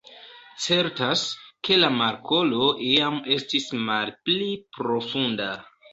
Certas, ke la markolo iam estis malpli profunda.